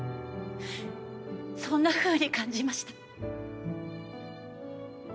そんなふうに感じました。